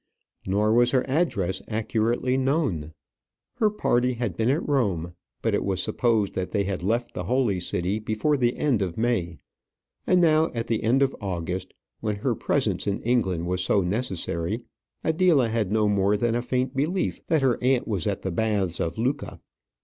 Nor was her address accurately known. Her party had been at Rome; but it was supposed that they had left the holy city before the end of May: and now, at the end of August, when her presence in England was so necessary, Adela had no more than a faint belief that her aunt was at the baths of Lucca.